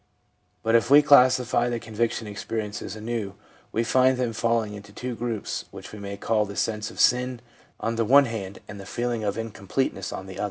But if we classify the con viction experiences anew, we find them falling into two groups which we may call the sense of sin, on the one hand, and the feeling of incompleteness, on the other.